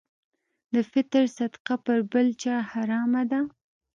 د فطر صدقه پر بل چا حرامه ده.